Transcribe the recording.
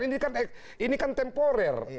ini kan temporer